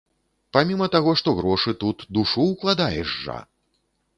Паміма таго, што грошы, тут душу ўкладаеш жа!